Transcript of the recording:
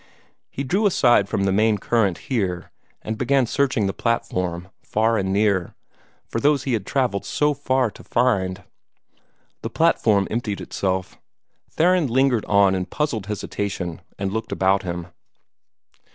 He drew aside from the main current here, and began searching the platform, far and near, for those he had travelled so far to find. The platform emptied itself. Theron lingered on in puzzled hesitation, and looked about him.